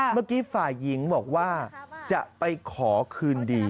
เมื่อกี้ฝ่ายหญิงบอกว่าจะไปขอคืนดี